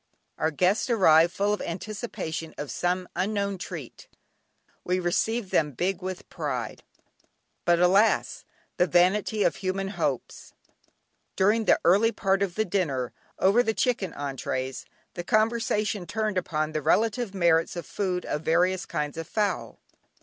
Our guests arrived full of anticipation of some unknown treat; we received them "big with pride." But alas! the vanity of human hopes. During the early part of the dinner, over the chicken entrées, the conversation turned upon the relative merits as food of various kinds of fowl.